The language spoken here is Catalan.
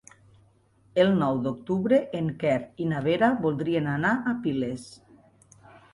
El nou d'octubre en Quer i na Vera voldrien anar a Piles.